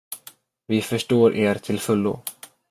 Vi förstår er till fullo.